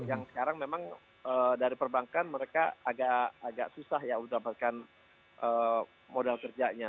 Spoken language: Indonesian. yang sekarang memang dari perbankan mereka agak susah ya mendapatkan modal kerjanya